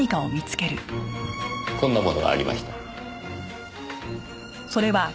こんなものがありました。